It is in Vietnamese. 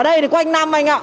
ở đây thì quanh năm anh ạ